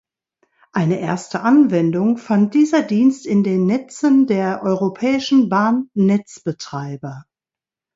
Eine erste Anwendung fand dieser Dienst in den Netzen der europäischen Bahn-Netzbetreiber.